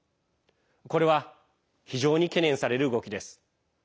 これは非常に懸念される動きです。